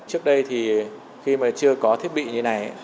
trước đây thì khi mà chưa có thiết bị như này